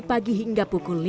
bryita aku sveradi